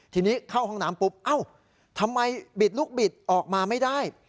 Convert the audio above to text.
ทีนี้เข้าห้องน้ำปุ๊บเอ้าทำไมบิดลูกบิดออกมาไม่ได้